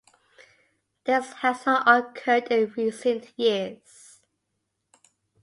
This has not occurred in recent years.